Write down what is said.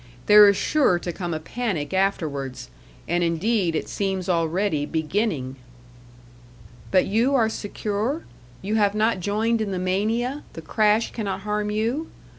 There is sure to come a panic afterwards, and indeed it seems already beginning." "But you are secure? You have not joined in the mania, the crash cannot harm you?